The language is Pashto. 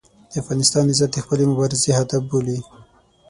د افغانستان عزت د خپلې مبارزې هدف بولي.